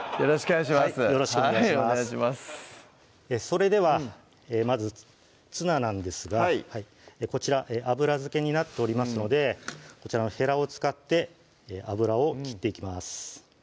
それではまずツナなんですがこちら油漬けになっておりますのでこちらのへらを使って油を切っていきます